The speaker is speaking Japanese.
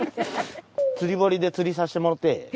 釣り堀で釣りさせてもろうてええ？